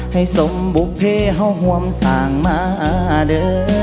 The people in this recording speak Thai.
ให้สมบุภิเฮาห่วมส่างมาเด้อ